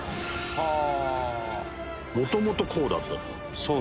はあ！